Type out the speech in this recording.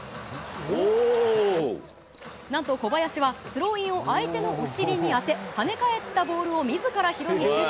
なんと小林はスローインを相手のお尻に当て、跳ね返ったボールをみずから拾い、シュート。